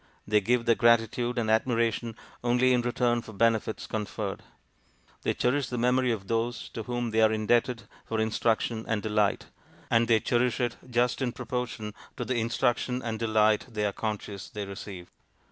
They give their gratitude and admiration only in return for benefits conferred. They cherish the memory of those to whom they are indebted for instruction and delight; and they cherish it just in proportion to the instruction and delight they are conscious they receive.